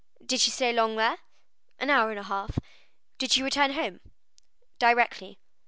"Did she stay long there?" "An hour and a half." "Did she return home?" "Directly."